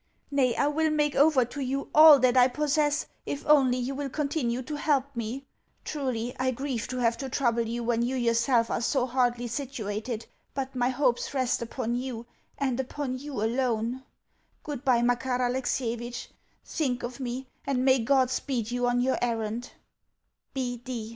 Nay, I will make over to you all that I possess if only you will continue to help me. Truly, I grieve to have to trouble you when you yourself are so hardly situated, but my hopes rest upon you, and upon you alone. Goodbye, Makar Alexievitch. Think of me, and may God speed you on your errand!